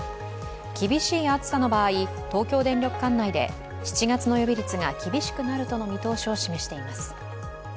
厳しい暑さの場合、東京電力管内で７月の予備率が厳しくなるとの見通しを示しています。